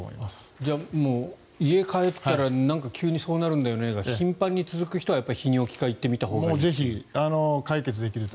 じゃあ、家に帰ったら急にそうなるんだよねが頻繁に続く人はやっぱり泌尿器科行ってみたほうがいいと。